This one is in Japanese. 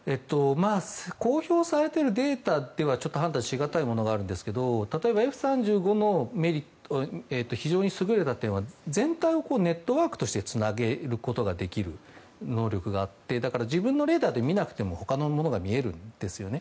公表されているデータでは判断しがたいものがありますが例えばＦ３５の非常に優れた点は全体をネットワークとしてつなげることができる能力があって自分のレーダーで見なくても他のものが見えるんですよね。